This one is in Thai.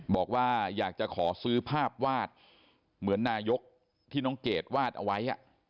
บอกว่าอยากจะขอซื้อภาพวาดเหมือนนายกที่น้องเกดวาดเอาไว้